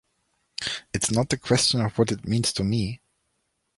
It's not a question of what it means to me.